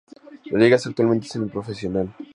La liga es actualmente semi-profesional.